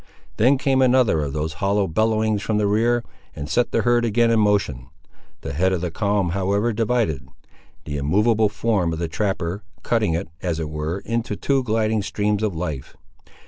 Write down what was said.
Then came another of those hollow bellowings from the rear, and set the herd again in motion. The head of the column, however, divided. The immovable form of the trapper, cutting it, as it were, into two gliding streams of life.